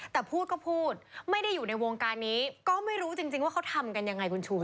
แต่พูดก็พูดไม่ได้อยู่ในวงการนี้ก็ไม่รู้จริงว่าเขาทำกันยังไงคุณชูวิ